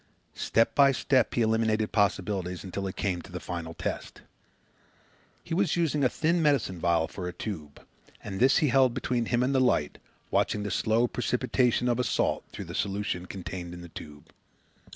Step by step he eliminated possibilities, until he came to the final test. He was using a thin medicine vial for a tube, and this he held between him and the light, watching the slow precipitation of a salt through the solution contained in the tube.